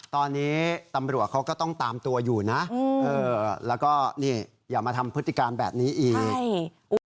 ตอนนี้ตำรวจเขาก็ต้องตามตัวอยู่นะแล้วก็นี่อย่ามาทำพฤติการแบบนี้อีก